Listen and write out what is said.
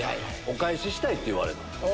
「お返ししたい」って言われた。